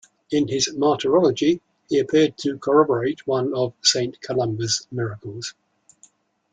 In his martyrology, he appeared to corroborate one of Saint Columba's miracles.